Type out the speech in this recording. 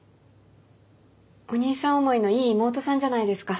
お兄さん思いのいい妹さんじゃないですか。